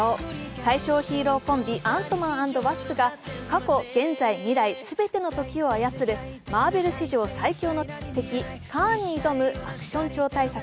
最小ヒーローコンビアントマン＆ワスプが過去、現在、未来、全ての時を操るマーベル史上最凶の敵、カーンに挑むアクション超大作！